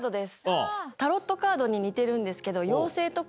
タロットカードに似てるんですけど。